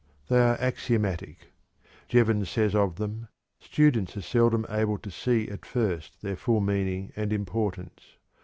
They are axiomatic. Jevons says of them: "Students are seldom able to see at first their full meaning and importance.